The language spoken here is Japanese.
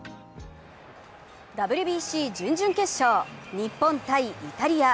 ＷＢＣ、準々決勝、日本×イタリア。